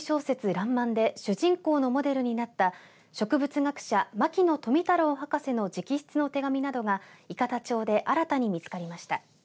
らんまんで主人公のモデルになった植物学者、牧野富太郎博士の直筆の手紙などが伊方町で新たに見つかりました。